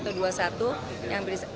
menurut bnpb ini adalah hal yang lebih nyaman